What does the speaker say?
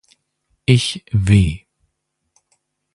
Ich w